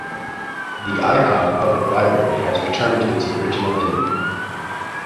The Icod Public Library has returned to its original venue.